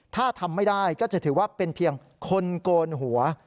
ถ้าทำไม่ได้ก็จะถือว่าเป็นเพียงคนโกนหัว